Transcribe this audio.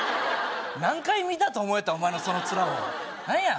何回見たと思いよったお前のそのツラを何や？